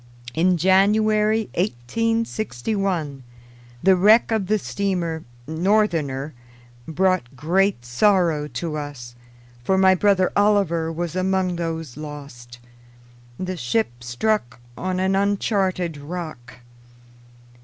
In January 1861 the wreck of the steamer Northerner brought great sorrow to us, for my brother Oliver was among those lost. The ship struck on an uncharted rock.